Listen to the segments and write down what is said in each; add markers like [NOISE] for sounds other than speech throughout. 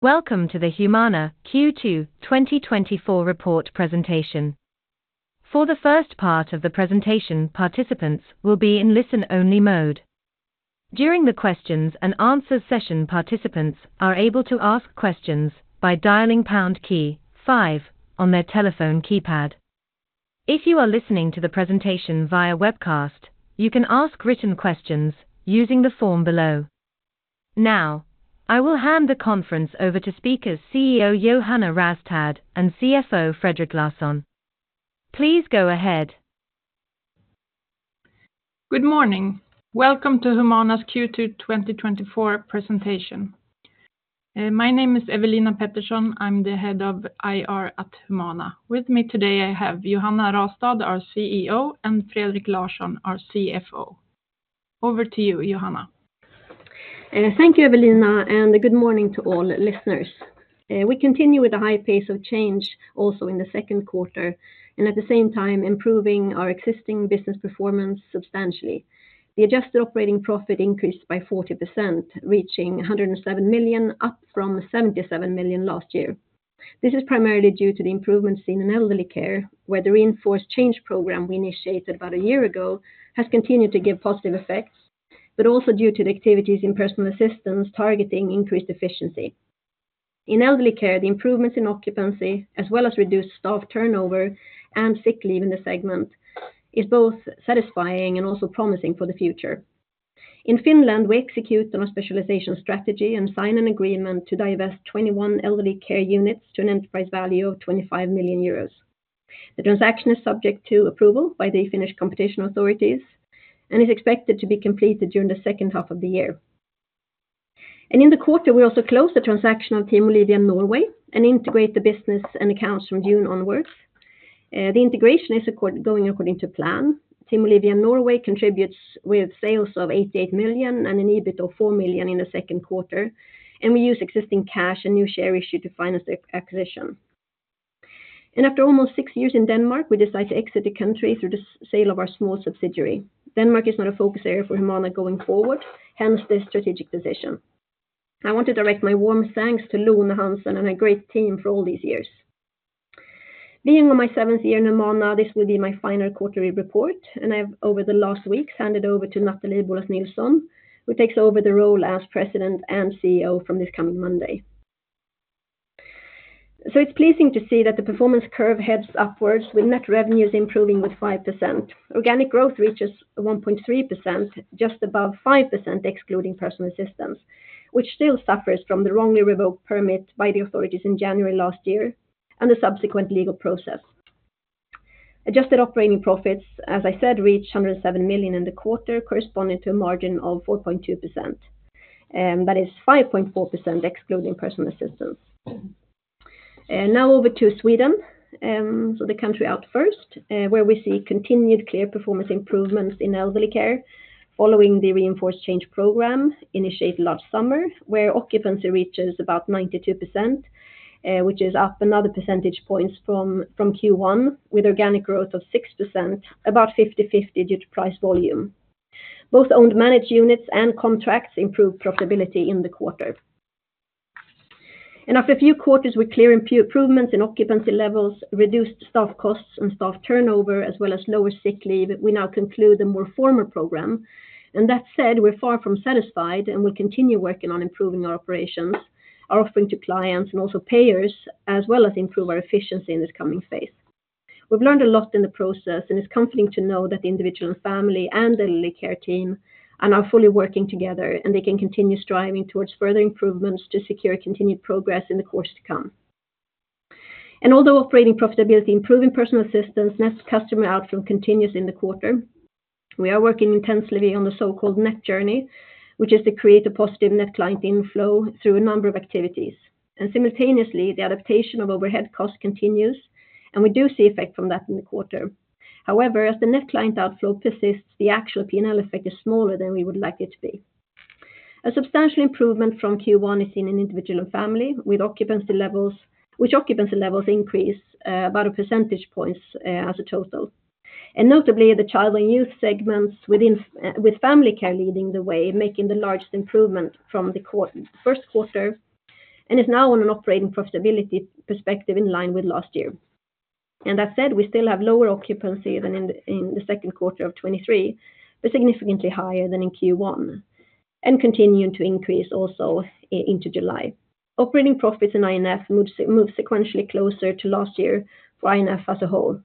Welcome to the Humana Q2 2024 report presentation. For the first part of the presentation, participants will be in listen-only mode. During the questions and answers session, participants are able to ask questions by dialing pound key five on their telephone keypad. If you are listening to the presentation via webcast, you can ask written questions using the form below. Now, I will hand the conference over to speakers, CEO Johanna Rastad, and CFO, Fredrik Larsson. Please go ahead. Good morning. Welcome to Humana's Q2 2024 presentation. My name is Ewelina Pettersson. I'm the Head of IR at Humana. With me today, I have Johanna Rastad, our CEO, and Fredrik Larsson, our CFO. Over to you, Johanna. Thank you, Ewelina, and good morning to all listeners. We continue with a high pace of change also in the second quarter, and at the same time improving our existing business performance substantially. The adjusted operating profit increased by 40%, reaching 107 million, up from 77 million last year. This is primarily due to the improvements in, in elderly care, where the reinforced change program we initiated about a year ago, has continued to give positive effects, but also due to the activities in personal assistance, targeting increased efficiency. In elderly care, the improvements in occupancy, as well as reduced staff turnover and sick leave in the segment, is both satisfying and also promising for the future. In Finland, we execute on our specialization strategy and sign an agreement to divest 21 elderly care units to an enterprise value of 25 million euros. The transaction is subject to approval by the Finnish competition authorities, and is expected to be completed during the second half of the year. In the quarter, we also close the transaction of Team Olivia Norway, and integrate the business and accounts from June onwards. The integration is going according to plan. Team Olivia Norway contributes with sales of 88 million and an EBIT of 4 million in the second quarter, and we use existing cash and new share issue to finance the acquisition. After almost six years in Denmark, we decide to exit the country through the sale of our small subsidiary. Denmark is not a focus area for Humana going forward, hence this strategic decision. I want to direct my warm thanks to Lone Hansen and a great team for all these years. Being on my seventh year in Humana, this will be my final quarterly report, and I've, over the last week, handed over to Nathalie Boulas Nilsson, who takes over the role as President and CEO from this coming Monday. So it's pleasing to see that the performance curve heads upwards, with net revenues improving with 5%. Organic growth reaches 1.3%, just above 5%, excluding personal assistance, which still suffers from the wrongly revoked permit by the authorities in January last year and the subsequent legal process. Adjusted operating profits, as I said, reach 107 million in the quarter, corresponding to a margin of 4.2%, but it's 5.4%, excluding personal assistance. Now over to Sweden, so the country out first, where we see continued clear performance improvements in elderly care, following the reinforced change program initiated last summer, where occupancy reaches about 92%, which is up another percentage points from Q1, with organic growth of 6%, about 50/50, due to price volume. Both owned managed units and contracts improved profitability in the quarter. After a few quarters with clear improvements in occupancy levels, reduced staff costs and staff turnover, as well as lower sick leave, we now conclude a more formal program. That said, we're far from satisfied, and we'll continue working on improving our operations, our offering to clients, and also payers, as well as improve our efficiency in this coming phase. We've learned a lot in the process, and it's comforting to know that the Individual and Family, and the Elderly care team are now fully working together, and they can continue striving towards further improvements to secure continued progress in the course to come. Although operating profitability, improving Personal assistance, net customer outflow continues in the quarter, we are working intensely on the so-called net journey, which is to create a positive net client inflow through a number of activities. Simultaneously, the adaptation of overhead costs continues, and we do see effect from that in the quarter. However, as the net client outflow persists, the actual P&L effect is smaller than we would like it to be. A substantial improvement from Q1 is seen in Individual and Family, with occupancy levels—which increase about a percentage points as a total. Notably, the child and youth segments within with family care leading the way, making the largest improvement from the first quarter, and is now on an operating profitability perspective in line with last year. That said, we still have lower occupancy than in the second quarter of 2023, but significantly higher than in Q1, and continuing to increase also into July. Operating profits in I&F moves sequentially closer to last year for I&F as a whole.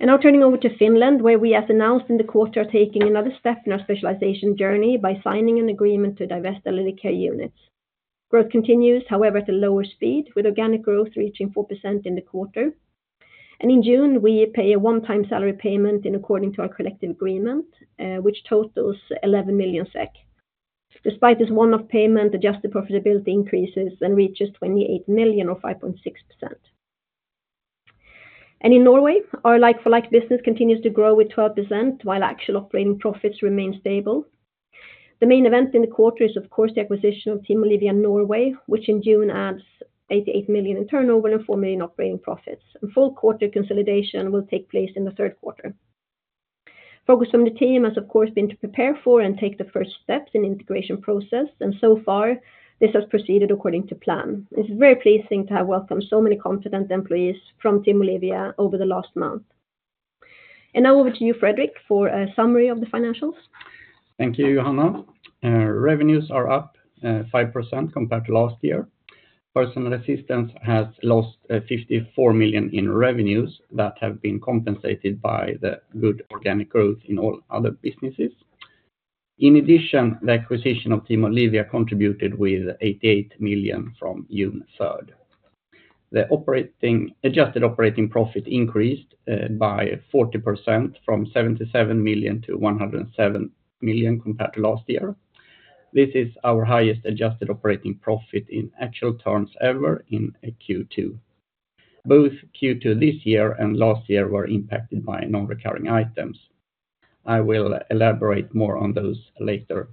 Now turning over to Finland, where we have announced in the quarter, taking another step in our specialization journey by signing an agreement to divest elderly care units. Growth continues, however, at a lower speed, with organic growth reaching 4% in the quarter. In June, we pay a one-time salary payment in accordance to our collective agreement, which totals 11 million SEK. Despite this one-off payment, adjusted profitability increases and reaches 28 million or 5.6%. In Norway, our like-for-like business continues to grow with 12%, while actual operating profits remain stable. The main event in the quarter is, of course, the acquisition of Team Olivia Norway, which in June adds 88 million in turnover and 4 million operating profits. Full quarter consolidation will take place in the third quarter. Focus on the team has, of course, been to prepare for and take the first steps in integration process, and so far, this has proceeded according to plan. It's very pleasing to have welcomed so many confident employees from Team Olivia over the last month. Now over to you, Fredrik, for a summary of the financials. Thank you, Johanna. Revenues are up 5% compared to last year. Personal assistance has lost 54 million in revenues that have been compensated by the good organic growth in all other businesses. In addition, the acquisition of Team Olivia contributed with 88 million from June 3rd. The adjusted operating profit increased by 40% from 77 million to 107 million compared to last year. This is our highest adjusted operating profit in actual terms ever in a Q2. Both Q2 this year and last year were impacted by non-recurring items. I will elaborate more on those later.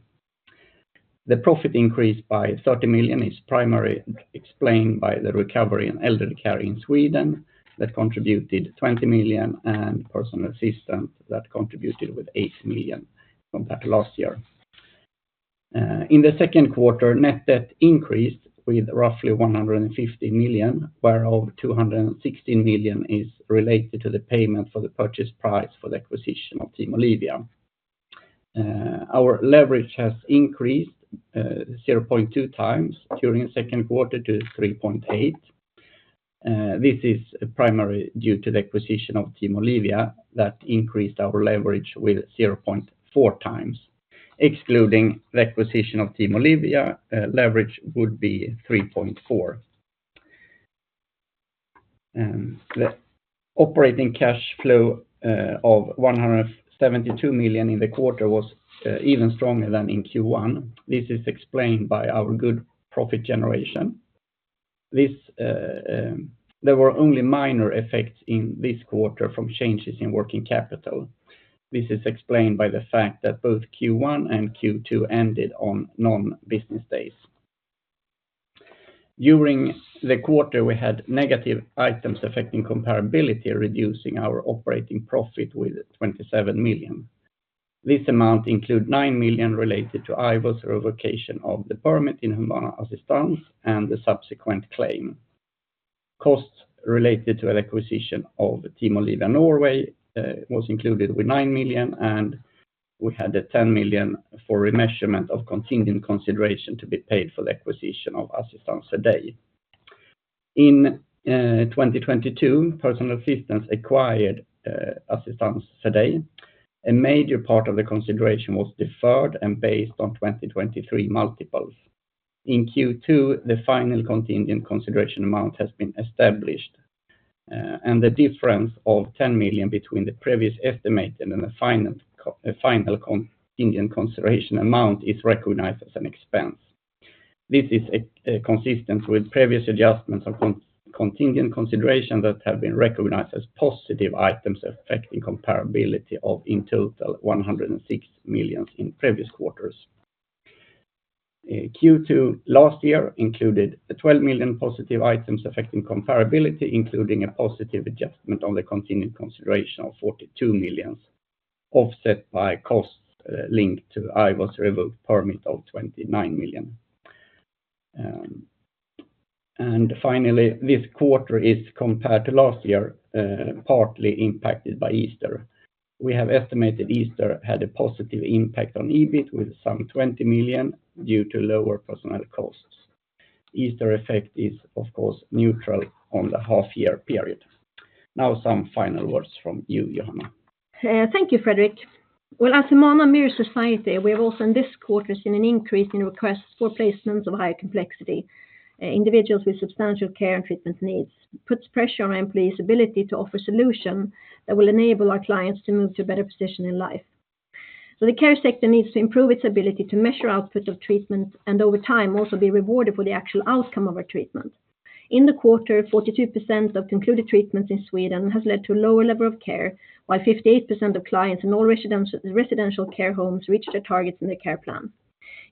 The profit increase by 30 million is primarily explained by the recovery in elderly care in Sweden, that contributed 20 million, and personal assistance that contributed with 8 million compared to last year. In the second quarter, net debt increased with roughly 150 million, where over 260 million is related to the payment for the purchase price for the acquisition of Team Olivia. Our leverage has increased 0.2x during the second quarter to 3.8x. This is primarily due to the acquisition of Team Olivia that increased our leverage with 0.4 times. Excluding the acquisition of Team Olivia, leverage would be 3.4x. The operating cash flow of 172 million in the quarter was even stronger than in Q1. This is explained by our good profit generation. This, there were only minor effects in this quarter from changes in working capital. This is explained by the fact that both Q1 and Q2 ended on non-business days. During the quarter, we had negative items affecting comparability, reducing our operating profit with 27 million. This amount include 9 million related to IVO revocation of the permit in Humana Assistans and the subsequent claim. Costs related to the acquisition of Team Olivia Norway was included with 9 million, and we had a 10 million for remeasurement of contingent consideration to be paid for the acquisition of Assistans för dig. In 2022, personal assistance acquired Assistans för dig. A major part of the consideration was deferred and based on 2023 multiples. In Q2, the final contingent consideration amount has been established, and the difference of 10 million between the previous estimate and the final contingent consideration amount is recognized as an expense. This is consistent with previous adjustments of contingent consideration that have been recognized as positive items affecting comparability of, in total, 106 million in previous quarters. Q2 last year included a 12 million positive items affecting comparability, including a positive adjustment on the continued consideration of 42 million, offset by costs linked to IVO revoked permit of 29 million. And finally, this quarter is compared to last year, partly impacted by Easter. We have estimated Easter had a positive impact on EBIT with some 20 million due to lower personnel costs. Easter effect is, of course, neutral on the half year period. Now, some final words from you, Johanna. Thank you, Fredrik. Well, at Humana, mirroring society, we have also in this quarter seen an increase in requests for placements of higher complexity. Individuals with substantial care and treatment needs. Puts pressure on employees' ability to offer solution that will enable our clients to move to a better position in life. So the care sector needs to improve its ability to measure output of treatment and over time, also be rewarded for the actual outcome of our treatment. In the quarter, 42% of concluded treatments in Sweden has led to a lower level of care, while 58% of clients in all residential care homes reached their targets in their care plan.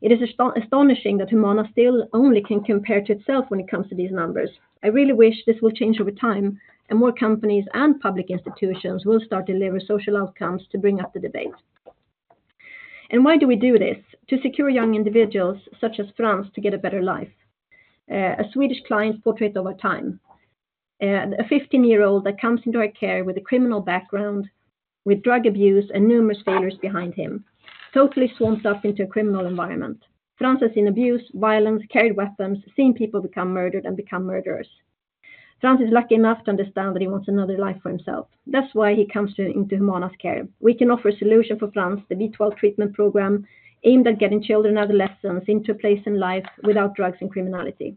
It is astonishing that Humana still only can compare to itself when it comes to these numbers. I really wish this will change over time, and more companies and public institutions will start to deliver social outcomes to bring up the debate. And why do we do this? To secure young individuals, such as Frans, to get a better life. A Swedish client portrayed over time. A 15-year-old that comes into our care with a criminal background, with drug abuse and numerous failures behind him, totally swamped up into a criminal environment. Frans has seen abuse, violence, carried weapons, seen people become murdered and become murderers. Frans is lucky enough to understand that he wants another life for himself. That's why he comes to, into Humana's care. We can offer a solution for Frans, the B12 treatment program, aimed at getting children and adolescents into a place in life without drugs and criminality.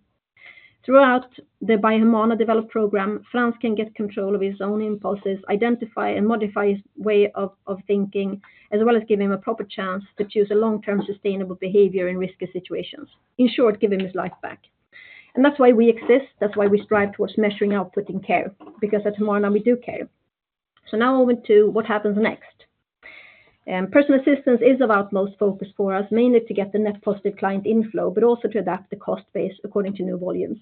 Throughout the by Humana developed program, Frans can get control of his own impulses, identify and modify his way of thinking, as well as give him a proper chance to choose a long-term sustainable behavior in risky situations. In short, give him his life back. And that's why we exist, that's why we strive towards measuring output in care, because at Humana, we do care. So now over to what happens next. Personal assistance is of utmost focus for us, mainly to get the net positive client inflow, but also to adapt the cost base according to new volumes.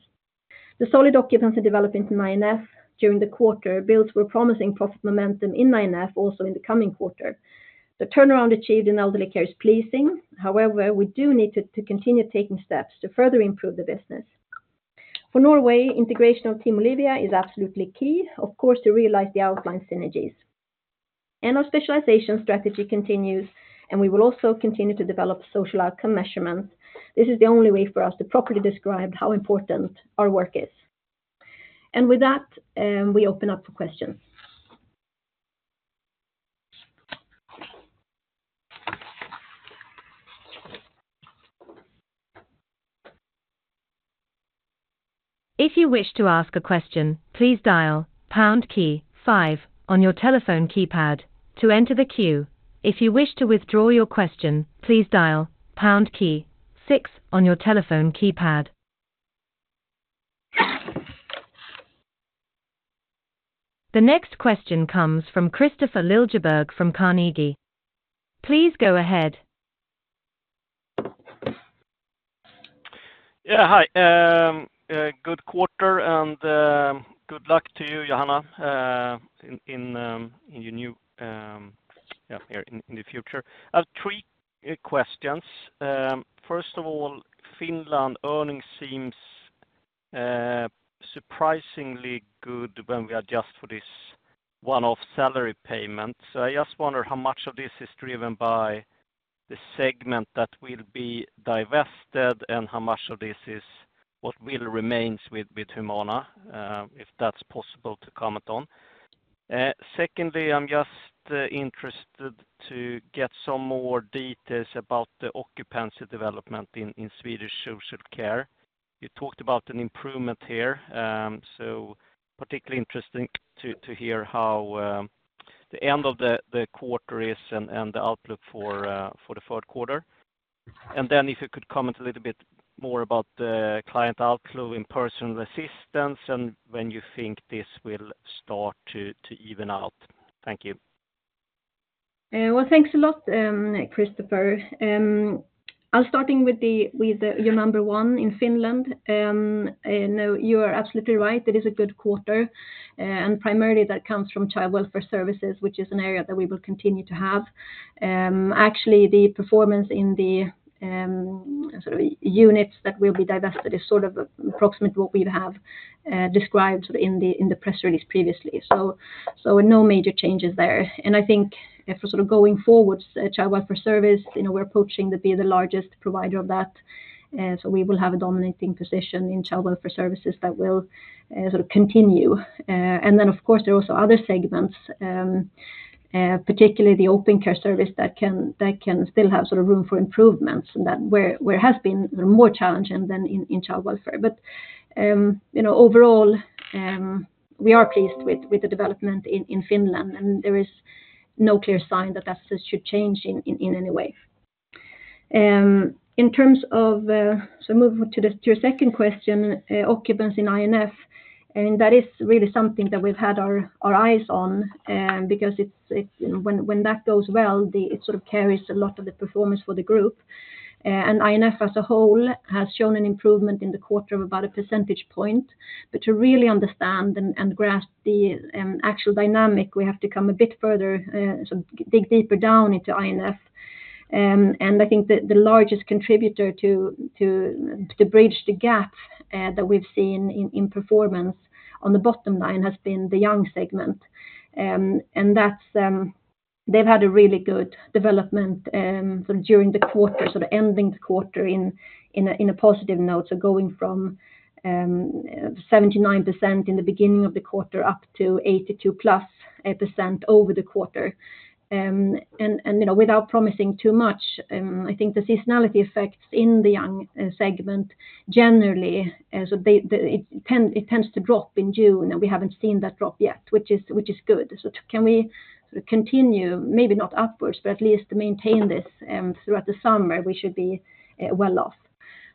The solid occupancy development in I&F during the quarter builds were promising profit momentum in I&F also in the coming quarter. The turnaround achieved in elderly care is pleasing. However, we do need to continue taking steps to further improve the business. For Norway, integration of Team Olivia is absolutely key, of course, to realize the outlined synergies. And our specialization strategy continues, and we will also continue to develop social outcome measurement. This is the only way for us to properly describe how important our work is. And with that, we open up for questions. If you wish to ask a question, please dial pound key five on your telephone keypad to enter the queue. If you wish to withdraw your question, please dial pound key six on your telephone keypad. The next question comes from Kristofer Liljeberg from Carnegie. Please go ahead. Yeah, hi. Good quarter, and good luck to you, Johanna, in your new, yeah, in the future. I have three questions. First of all, Finland earnings seems surprisingly good when we adjust for this one-off salary payment. So I just wonder how much of this is driven by the segment that will be divested, and how much of this is what will remains with Humana, if that's possible to comment on? Secondly, I'm just interested to get some more details about the occupancy development in Swedish social care. You talked about an improvement here, so particularly interesting to hear how the end of the quarter is and the outlook for the fourth quarter. And then if you could comment a little bit more about the client outflow in personal assistance and when you think this will start to even out? Thank you. Well, thanks a lot, Kristofer. I'll start with your number one in Finland. No, you are absolutely right, it is a good quarter, and primarily that comes from child welfare services, which is an area that we will continue to have. Actually, the performance in the sort of units that will be divested is sort of approximately what we have described in the press release previously. So no major changes there. And I think if we're sort of going forward, child welfare service, you know, we're approaching to be the largest provider of that, so we will have a dominating position in child welfare services that will sort of continue. And then, of course, there are also other segments, particularly the open care service, that can still have sort of room for improvements, and that it has been more challenging than in child welfare. But, you know, overall, we are pleased with the development in Finland, and there is no clear sign that should change in any way. So moving to your second question, occupancy in I&F, and that is really something that we've had our eyes on, because it's when that goes well, it sort of carries a lot of the performance for the group. And I&F as a whole has shown an improvement in the quarter of about 1 percentage point. But to really understand and grasp the actual dynamic, we have to come a bit further, so dig deeper down into INF. I think that the largest contributor to bridge the gap that we've seen in performance on the bottom line has been the young segment. And that's, they've had a really good development, so during the quarter, ending the quarter in a positive note. So going from 79% in the beginning of the quarter, up to 82+% over the quarter. And, you know, without promising too much, I think the seasonality effects in the young segment, generally, as it tends to drop in June, and we haven't seen that drop yet, which is good. So can we sort of continue, maybe not upwards, but at least maintain this, throughout the summer, we should be, well off.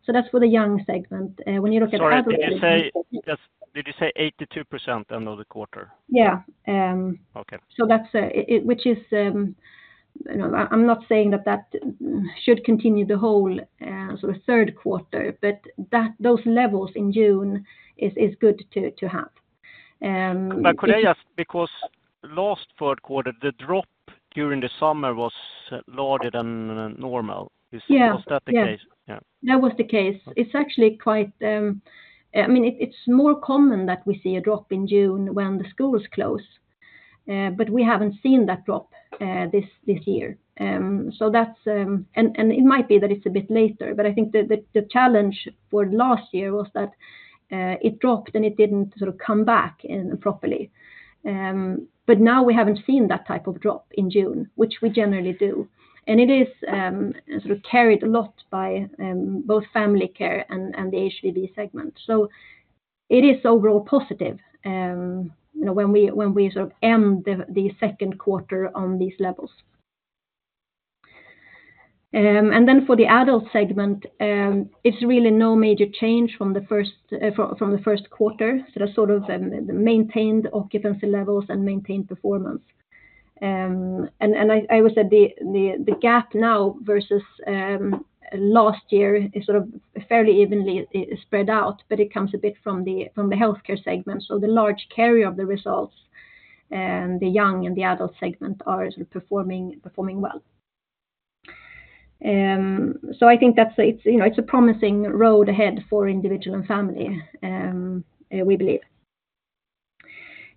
So that's for the young segment. When you look at. [CROSSTALK] Sorry, did you say, just, did you say 82% end of the quarter? Yeah. Okay. So that's it, which is, you know, I'm not saying that that should continue the whole sort of third quarter, but that, those levels in June is good to have. Could I ask, because last fourth quarter, the drop during the summer was larger than normal? Yeah. Is that the case? Yeah. Yeah. That was the case. Okay. It's actually quite, I mean, it's more common that we see a drop in June when the schools close, but we haven't seen that drop, this year. So that's-- and it might be that it's a bit later, but I think the challenge for last year was that it dropped, and it didn't sort of come back, properly. But now we haven't seen that type of drop in June, which we generally do. And it is sort of carried a lot by both family care and the HVB segment. So it is overall positive, you know, when we, when we sort of end the second quarter on these levels. And then for the adult segment, it's really no major change from the first quarter. So they sort of maintained occupancy levels and maintained performance. And I would say the gap now versus last year is sort of fairly evenly spread out, but it comes a bit from the healthcare segment. So the large carrier of the results, the young and the adult segment are sort of performing well. So I think that's, you know, it's a promising road ahead for Individual and Family, we believe.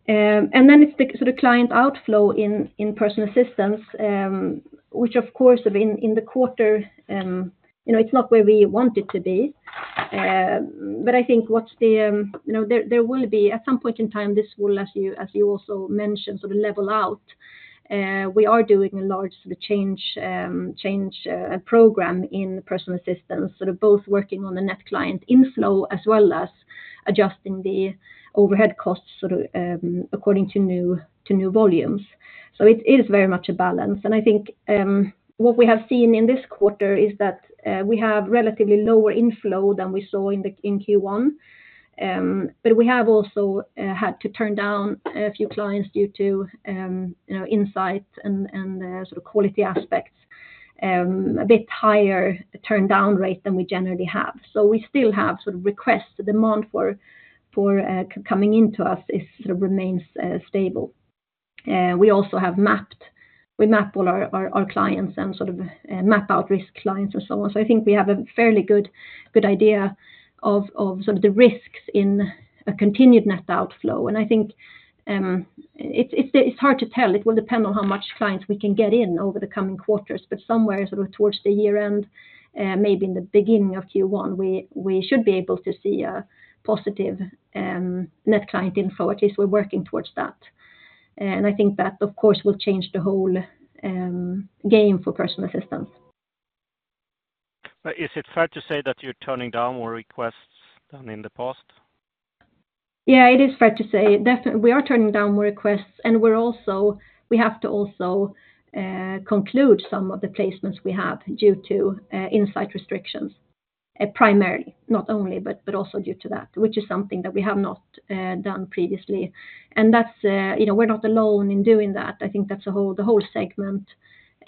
And then it's the sort of client outflow in personal assistance, which, of course, have been in the quarter, you know, it's not where we want it to be. But I think what's the, you know, there will be at some point in time, this will, as you also mentioned, sort of level out. We are doing a large sort of change program in personal assistance, sort of both working on the net client inflow, as well as adjusting the overhead costs, sort of, according to new volumes. So it is very much a balance. And I think, what we have seen in this quarter is that, we have relatively lower inflow than we saw in Q1. But we have also had to turn down a few clients due to, you know, insights and sort of quality aspects, a bit higher turn down rate than we generally have. So we still have sort of requests; the demand for coming into us is sort of remains stable. We also have mapped. We map all our clients and sort of map out risk clients or so on. So I think we have a fairly good idea of sort of the risks in a continued net outflow. And I think it's hard to tell. It will depend on how much clients we can get in over the coming quarters, but somewhere sort of towards the year end, maybe in the beginning of Q1, we should be able to see a positive net client inflow. At least we're working towards that. And I think that, of course, will change the whole game for personal assistance. Is it fair to say that you're turning down more requests than in the past? Yeah, it is fair to say. Definitely, we are turning down more requests, and we're also, we have to also conclude some of the placements we have due to insight restrictions, primarily, not only, but, but also due to that, which is something that we have not done previously. And that's, you know, we're not alone in doing that. I think that's a whole, the whole segment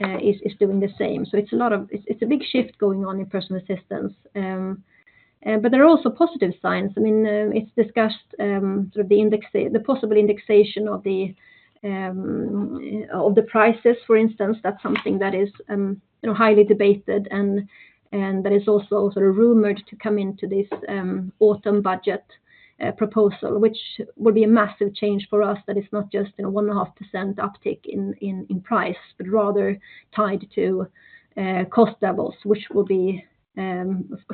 is doing the same. So it's a lot of, it's a big shift going on in personal assistance. But there are also positive signs. I mean, it's discussed, sort of the index—the possible indexation of the, of the prices, for instance, that's something that is, you know, highly debated, and that is also sort of rumored to come into this, autumn budget, proposal, which would be a massive change for us. That it's not just, you know, 1.5% uptick in price, but rather tied to, cost levels, which will be,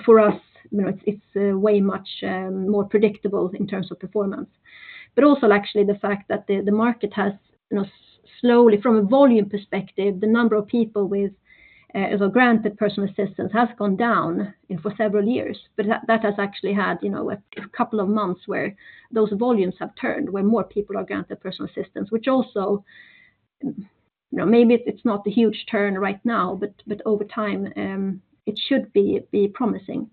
for us, you know, it's, way much, more predictable in terms of performance. But also actually the fact that the, the market has, you know, slowly, from a volume perspective, the number of people with, as a granted personal assistance has gone down, you know, for several years. But that has actually had, you know, a couple of months where those volumes have turned, where more people are granted personal assistance, which also, you know, maybe it's not a huge turn right now, but over time, it should be promising.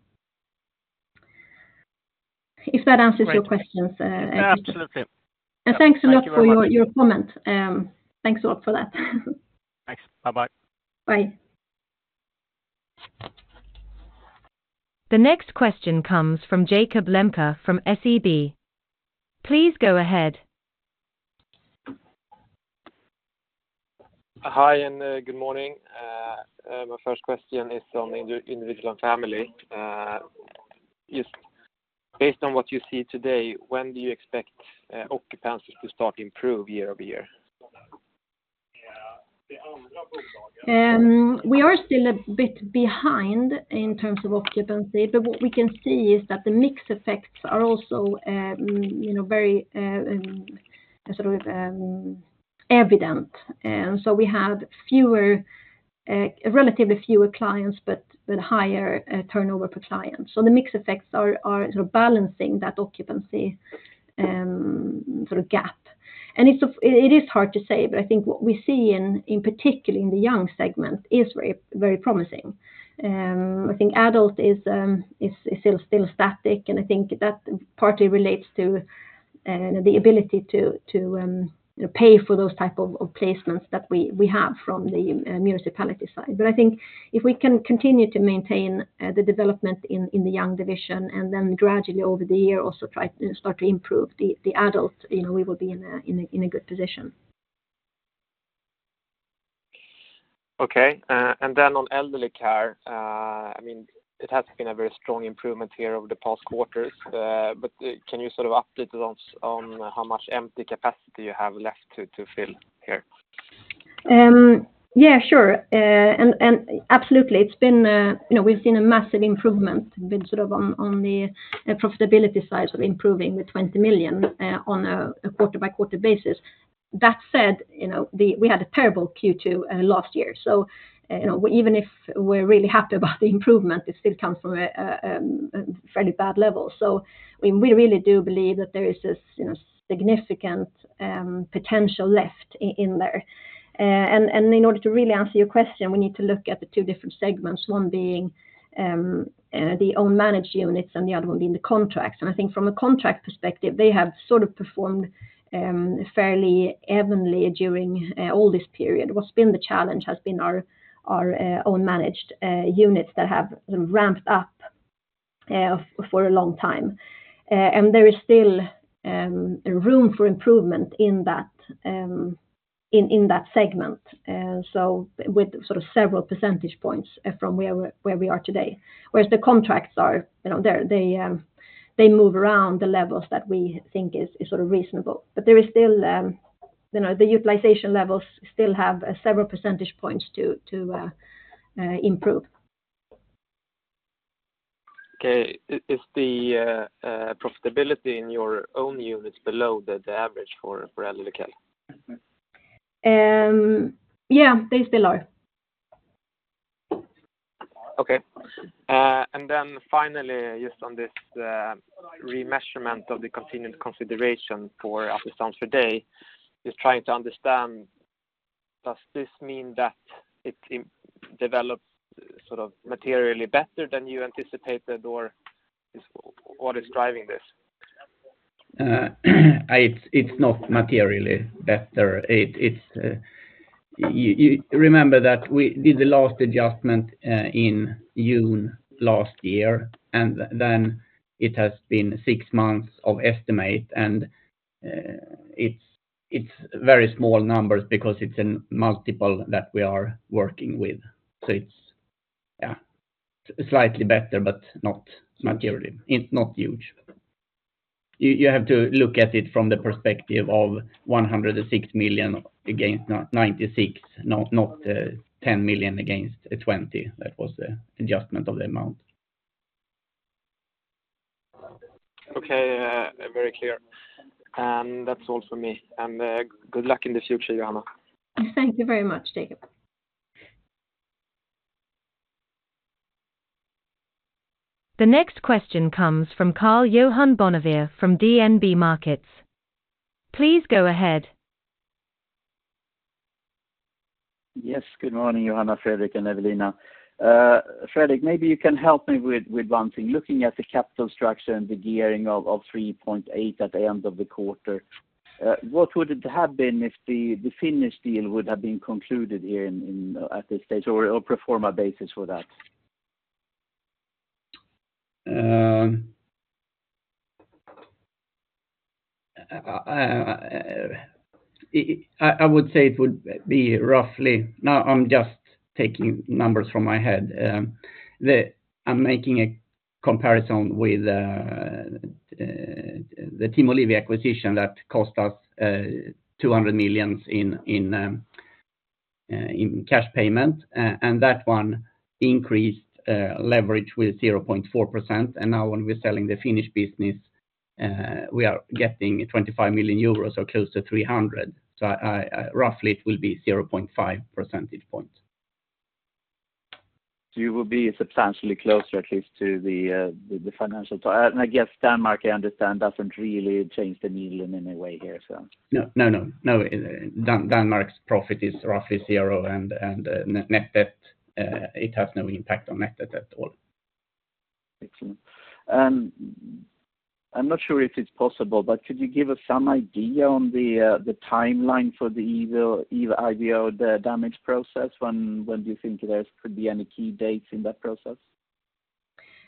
If that answers your questions. Absolutely. And thanks a lot for your. [CROSSTALK] Thank you very much. Your comment. Thanks a lot for that. Thanks. Bye-bye. Bye. The next question comes from Jakob Lemne from SEB. Please go ahead. Hi, and, good morning. My first question is on Individual and Family. Is based on what you see today, when do you expect occupancies to start to improve year-over-year? We are still a bit behind in terms of occupancy, but what we can see is that the mix effects are also, you know, very, sort of, evident. And so we have fewer, relatively fewer clients, but higher turnover per client. So the mix effects are sort of balancing that occupancy, sort of gap. It is hard to say, but I think what we see in particular in the young segment is very, very promising. I think adult is still static, and I think that partly relates to the ability to pay for those type of placements that we have from the municipality side. But I think if we can continue to maintain the development in the young division, and then gradually over the year, also try to start to improve the adult, you know, we will be in a good position. Okay. And then on elderly care, I mean, it has been a very strong improvement here over the past quarters, but can you sort of update us on how much empty capacity you have left to fill here? Yeah, sure. And absolutely, it's been, you know, we've seen a massive improvement, been sort of on the profitability side, so improving with 20 million on a quarter-over-quarter basis. That said, you know, we had a terrible Q2 last year. So, you know, even if we're really happy about the improvement, it still comes from a fairly bad level. So, I mean, we really do believe that there is this, you know, significant potential left in there. And in order to really answer your question, we need to look at the two different segments, one being the own managed units, and the other one being the contracts. And I think from a contract perspective, they have sort of performed fairly evenly during all this period. What's been the challenge has been our own managed units that have ramped up for a long time. And there is still a room for improvement in that segment. So with sort of several percentage points from where we are today. Whereas the contracts are, you know, they move around the levels that we think is sort of reasonable. But there is still, you know, the utilization levels still have several percentage points to improve. Okay. Is the profitability in your own units below the average for LDK? Yeah, they still are. Okay. And then finally, just on this, remeasurement of the continued consideration for Assistans för dig, just trying to understand, does this mean that it develops sort of materially better than you anticipated or is, what is driving this? It's not materially better. It's you remember that we did the last adjustment in June last year, and then it has been six months of estimate, and it's very small numbers because it's a multiple that we are working with. So it's, yeah, slightly better, but not materially. It's not huge. You have to look at it from the perspective of 106 million against 96 million, not 10 million against 20 million. That was the adjustment of the amount. Okay, very clear. That's all for me. Good luck in the future, Johanna. Thank you very much, Jakob. The next question comes from Karl-Johan Bonnevier from DNB Markets. Please go ahead. Yes, good morning, Johanna, Fredrik, and Ewelina. Fredrik, maybe you can help me with one thing. Looking at the capital structure and the gearing of 3.8x at the end of the quarter, what would it have been if the Finnish deal would have been concluded here in at this stage or pro forma basis for that? I would say it would be roughly. Now, I'm just taking numbers from my head. I'm making a comparison with the Team Olivia acquisition that cost us 200 million in cash payment, and that one increased leverage with 0.4%. And now when we're selling the Finnish business, we are getting 25 million euros or close to 300 million. So, roughly it will be 0.5 percentage point. You will be substantially closer, at least, to the financial target. I guess Denmark, I understand, doesn't really change the needle in any way here, so. No, no, no. No, Denmark's profit is roughly zero, and, and, net debt, it has no impact on net debt at all. Excellent. I'm not sure if it's possible, but could you give us some idea on the timeline for the IVO appeal, the damage process? When do you think there could be any key dates in that process?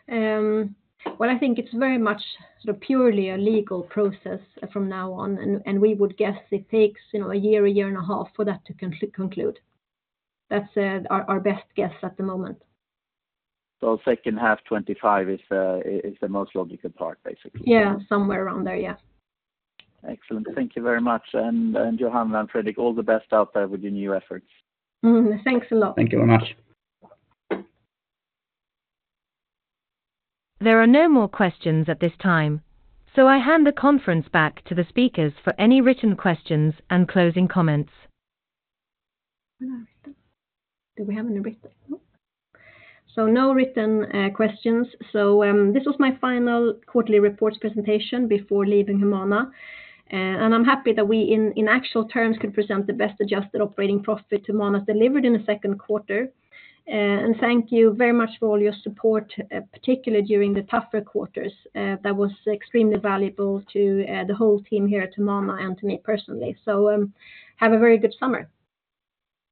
Well, I think it's very much sort of purely a legal process from now on, and we would guess it takes, you know, a year, a year and a half for that to conclude. That's our best guess at the moment. Second half 2025 is the most logical part, basically? Yeah, somewhere around there, yeah. Excellent. Thank you very much. Johanna and Fredrik, all the best out there with your new efforts. Thanks a lot. Thank you very much. There are no more questions at this time, so I hand the conference back to the speakers for any written questions and closing comments. Do we have any written? No. So no written questions. So, this was my final quarterly reports presentation before leaving Humana, and I'm happy that we in, in actual terms, could present the best-adjusted operating profit Humana's delivered in the second quarter. And thank you very much for all your support, particularly during the tougher quarters. That was extremely valuable to, the whole team here at Humana and to me personally. So, have a very good summer.